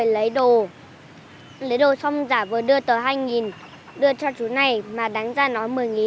lấy đồ xong giả vừa đưa tờ hai đưa cho chú này mà đánh ra nói một mươi